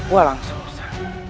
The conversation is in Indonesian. wah langsung saja